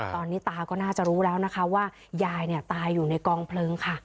ตอนนี้ตาก็น่าจะรู้แล้วนะคะว่ายายตายอยู่ในกองเพลิงค่ะ